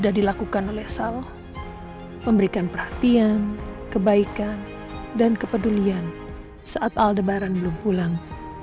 yang dilakukan oleh sal memberikan perhatian kebaikan dan kepedulian saat aldebaran belum pulang